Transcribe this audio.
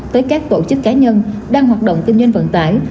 tới các tổ chức cá nhân đang hoạt động kinh doanh vận tải